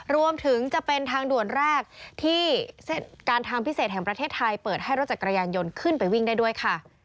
รวมถึงจะเป็นทางด่วนแรกที่การทางพิเศษแห่งประเทศไทยเปิดให้รถจักรยานยนต์ขึ้นไปวิ่งได้ด้วยค่ะ